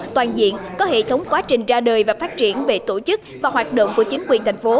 toàn diện có hệ thống quá trình ra đời và phát triển về tổ chức và hoạt động của chính quyền thành phố